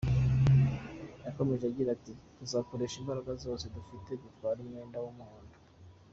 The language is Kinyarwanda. Yakomeje agira ati “Tuzakoresha imbaraga zose dufite dutware umwenda w’umuhondo.